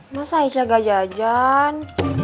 masa aisyah gajah gajah